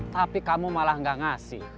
tapi kamu malah gak ngasih